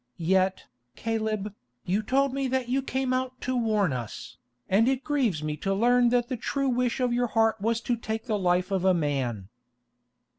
Yet, Caleb, you told me that you came out to warn us, and it grieves me to learn that the true wish of your heart was to take the life of a man."